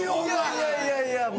いやいやいやもう。